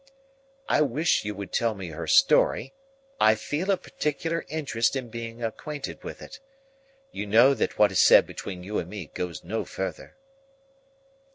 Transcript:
"I wish you would tell me her story. I feel a particular interest in being acquainted with it. You know that what is said between you and me goes no further."